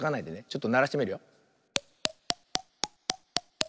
ちょっとならしてみるよ。